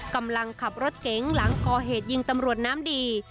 กำลังขับรถเก๋งหลังก่อเหตุยิงตำรวจน้ำดี